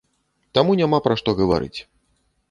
Таму няма пра што гаварыць.